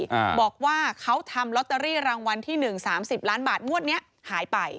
อ่าบอกว่าเขาทำลอตเตอรี่รางวัลที่หนึ่งสามสิบล้านบาทงวดเนี้ยหายไป